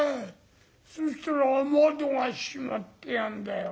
そしたら雨戸が閉まってやんだよ。